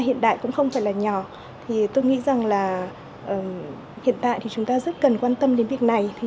hiện đại cũng không phải là nhỏ thì tôi nghĩ rằng là hiện tại thì chúng ta rất cần quan tâm đến việc này thì